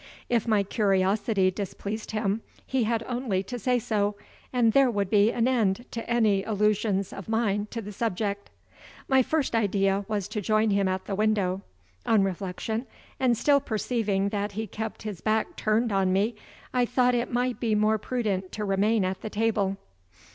If my curiosity displeased him, he had only to say so, and there would be an end to any allusions of mine to the subject. My first idea was to join him at the window. On reflection, and still perceiving that he kept his back turned on me, I thought it might be more prudent to remain at the table.